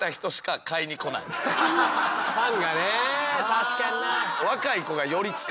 確かにな。